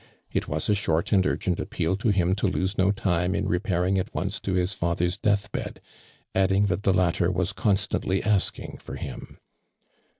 It was a short and urgent appeal to him to lose no time in repairing at once to his father's death bed, adding that the latter was constantly asking for him.